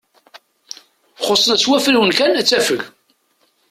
Xusen-as wafriwen kan ad tafeg.